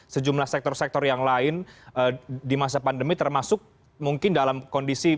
sejumlah sektor sektor yang lain di masa pandemi termasuk mungkin dalam kondisi